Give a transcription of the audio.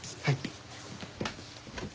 はい。